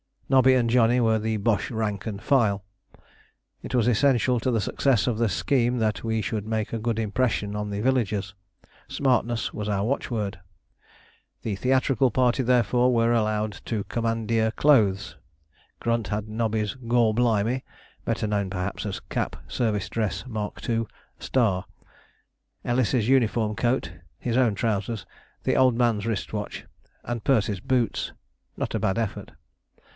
Nobby and Johnny were the Boche rank and file. It was essential to the success of the scheme that we should make a good impression on the villagers. Smartness was our watchword. The theatrical party therefore were allowed to commandeer clothes. Grunt had Nobby's "Gor Blimy" (better known, perhaps, as cap, service dress, mark two, star); Ellis's uniform coat, his own trousers, the Old Man's wrist watch, and Perce's boots not a bad effort.